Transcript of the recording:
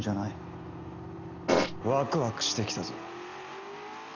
ワクワクしてきたぞ。